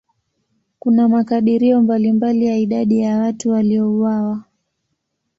Kuna makadirio mbalimbali ya idadi ya watu waliouawa.